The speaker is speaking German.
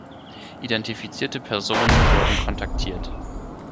Identifizierte Personen werden kontaktiert.